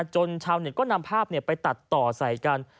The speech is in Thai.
ชาวเน็ตก็นำภาพไปตัดต่อใส่กัน